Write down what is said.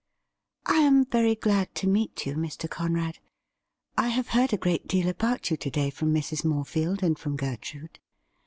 ' I am very glad to meet you, Mr. Conrad. I have heard a great deal about you to day from Mrs. Morefield and from Gertrude.